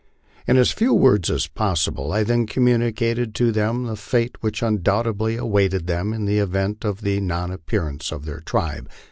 In as few words as possible I then communicated to them the fate which undoubtedly awaited them in the event of the non appear ance of their tribe.